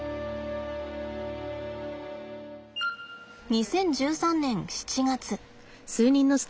２０１３年７月。